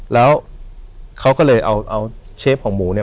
แล้วเขาก็เลยเอาเชฟของหมูเนี่ย